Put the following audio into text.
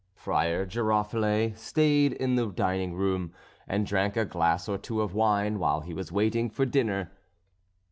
Friar Giroflée stayed in the dining room, and drank a glass or two of wine while he was waiting for dinner.